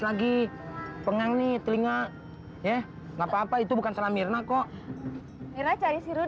lagi pengen nih telinga ya nggak apa apa itu bukan salah mirna kok